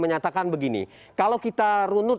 menyatakan begini kalau kita runut